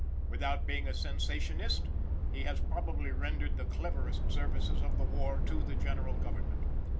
Without being a sensationist, he has probably rendered the cleverest services of the war to the general government.